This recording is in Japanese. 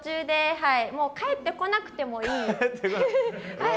はい。